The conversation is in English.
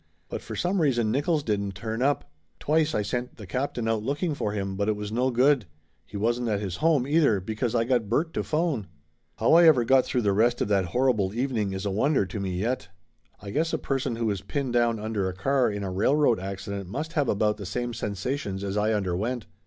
But for some reason Nickolls didn't turn up. Twice I sent the captain out looking for him, but it was no good. He wasn't at his home, either, because I got Bert to phone. How I ever got through the rest of that horrible evening is a wonder to me yet. I guess a person who is pinned down under a car in a railroad accident must have about the same sensations as I underwent.